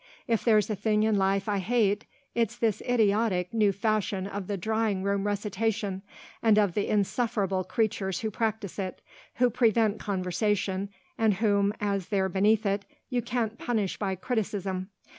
If there's a thing in life I hate it's this idiotic new fashion of the drawing room recitation and of the insufferable creatures who practise it, who prevent conversation, and whom, as they're beneath it, you can't punish by criticism.